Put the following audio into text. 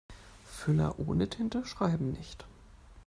Füller ohne Tinte schreiben nicht.